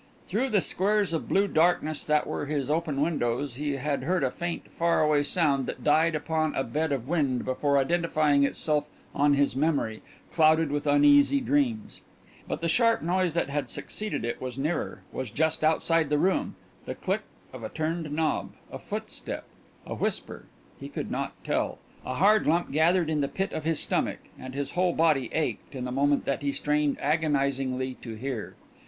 Through the squares of blue darkness that were his open windows, he had heard a faint far away sound that died upon a bed of wind before identifying itself on his memory, clouded with uneasy dreams. But the sharp noise that had succeeded it was nearer, was just outside the room the click of a turned knob, a footstep, a whisper, he could not tell; a hard lump gathered in the pit of his stomach, and his whole body ached in the moment that he strained agonisingly to hear.